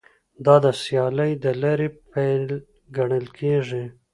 دا د سیالۍ د لارې پیل ګڼل کیږي